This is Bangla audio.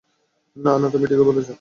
না, না, তুমি ঠিকই বলেছ।